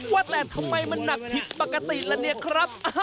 ว่าแต่ทำไมมันหนักผิดปกติละเนี่ยครับ